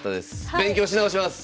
勉強し直します！